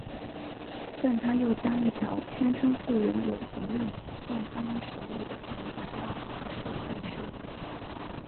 但他又加一条宣称富人有责任用他们手里的钱来让整个社会受益。